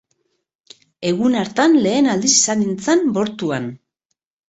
Egun hartan lehen aldiz izan nintzen bortuan!